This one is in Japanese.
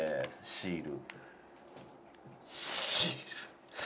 シール。